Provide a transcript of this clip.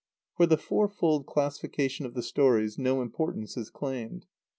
For the four fold classification of the stories, no importance is claimed.